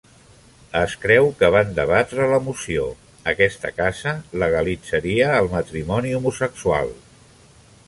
Es creu que van debatre la moció Aquesta casa legalitzaria el matrimoni homosexual.